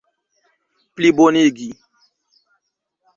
plibonigi